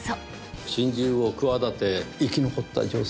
心中を企て生き残った女性。